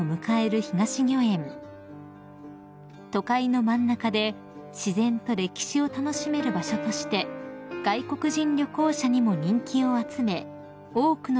［都会の真ん中で自然と歴史を楽しめる場所として外国人旅行者にも人気を集め多くの人が訪れています］